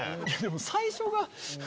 最初が。